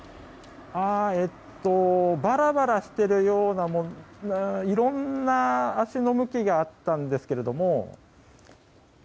ばらばらしているようないろんな足の向きがあったんですけれども。